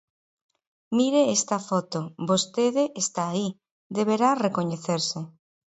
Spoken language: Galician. Mire esta foto, vostede está aí, deberá recoñecerse.